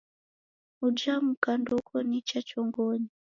Uja muka ndouko nicha chongonyi.